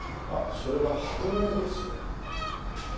あっそれは「薄命」ですね。